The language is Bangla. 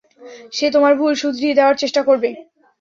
সে তোমার ভুল শুধরিয়ে দেওয়ার চেষ্টা করবে।